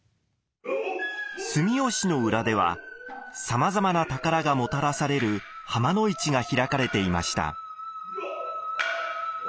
住吉の浦ではさまざまな宝がもたらされる浜の市が開かれていました。